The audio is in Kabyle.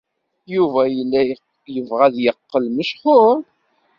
Yuba yella yebɣa ad yeqqel mechuṛ.